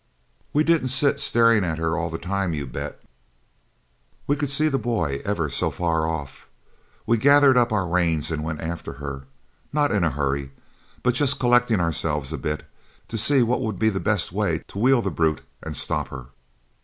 We didn't sit staring at her all the time, you bet. We could see the boy ever so far off. We gathered up our reins and went after her, not in a hurry, but just collecting ourselves a bit to see what would be the best way to wheel the brute and stop her.